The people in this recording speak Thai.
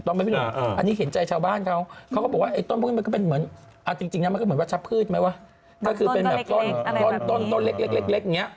นี่ในภาคมีความผิดด้วย